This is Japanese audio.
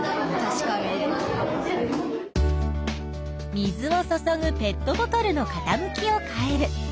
水を注ぐペットボトルのかたむきを変える。